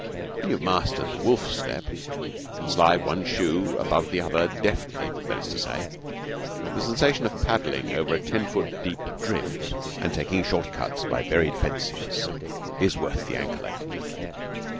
When you have mastered the wolf step, can slide one shoe above the other deftly, that is to say, the sensation of paddling over a ten foot deep drift and taking short cuts by buried fences is worth the ankle ache.